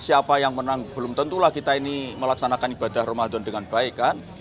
siapa yang menang belum tentulah kita ini melaksanakan ibadah ramadan dengan baik kan